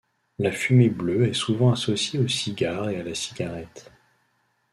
La fumée bleue est souvent associée au cigare et à la cigarette.